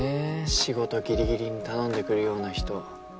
仕事ギリギリに頼んでくるような人。